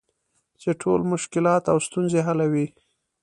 چې ټول مشکلات او ستونزې حلوي .